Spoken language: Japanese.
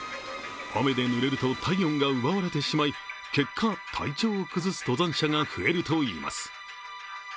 雨でぬれると体温が奪われてしまい結果、体調を崩す登山者が増えるといいます。